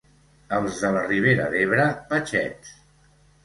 Els de la Ribera d'Ebre, patxets.